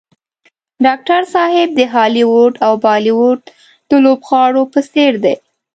ډاکټر صاحب د هالیوډ او بالیوډ د لوبغاړو په څېر دی.